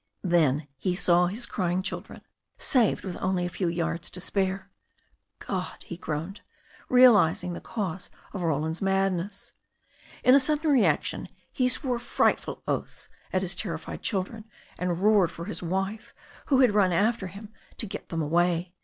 Then he saw his crying children, saved with only a few yards to spare, "God !" he groaned, realizing the cause of Roland's mad ness. In a sudden reaction he swore frightful oaths at his ter rified children, and roared for his wife, who had run after him, to get them away.